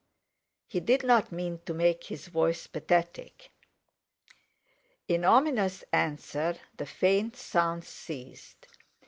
He did not mean to make his voice pathetic. In ominous answer, the faint sounds ceased.